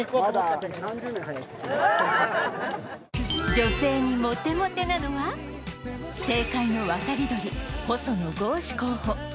女性にモテモテなのは、政界の渡り鳥、細野豪志候補。